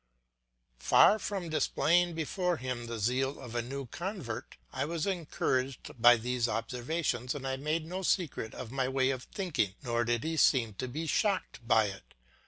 Far from displaying before him the zeal of a new convert, I was encouraged by these observations and I made no secret of my way of thinking, nor did he seem to be shocked by it.